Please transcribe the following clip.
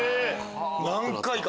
何回か。